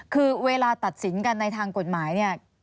คือเวลาตัดสินกันในทางกฎหมายเนี่ย